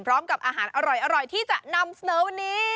พร้อมกับอาหารอร่อยที่จะนำเสนอวันนี้